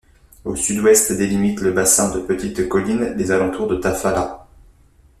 Au Sud-Ouest délimitent le bassin de petites collines les alentours de Tafalla.